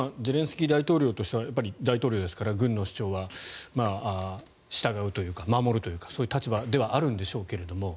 ゼレンスキー大統領としては大統領ですから軍の主張は従うというか守るというかそういう立場ではあるんでしょうけども。